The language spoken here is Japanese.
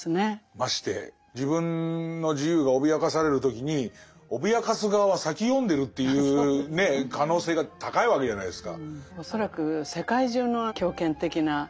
まして自分の自由が脅かされる時に脅かす側は先読んでるっていうね可能性が高いわけじゃないですか。